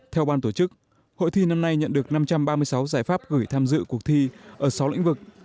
theo ban tổ chức hội thi năm nay nhận được năm trăm ba mươi sáu giải pháp gửi tham dự cuộc thi ở sáu lĩnh vực